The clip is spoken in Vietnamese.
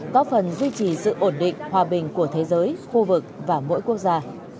có phần duy trì sự ổn định hòa bình của thế giới khu vực và mỗi quốc gia